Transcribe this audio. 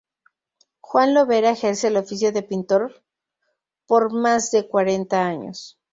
Juan Lovera ejerce el oficio de pintor por más de cuarenta años.